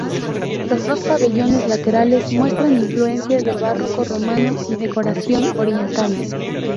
Los dos pabellones laterales muestran influencias del barroco romano y decoración oriental.